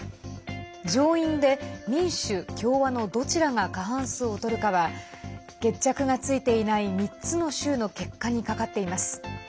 上院で民主・共和のどちらが過半数を取るかは決着がついていない３つの州の結果にかかっています。